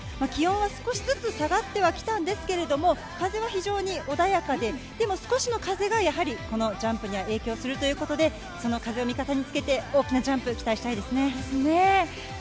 気温は少しずつ下がってはきたんですけれど、風は非常に穏やかで、でも少しの風がやはりジャンプに影響するということで、その風を味方につけて、大きなジャンプ期待したいですね。